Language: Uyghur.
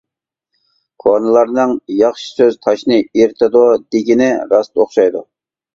كونىلارنىڭ: «ياخشى سۆز تاشنى ئېرىتىدۇ» دېگىنى راست ئوخشايدۇ.